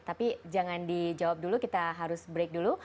tapi jangan dijawab dulu kita harus break dulu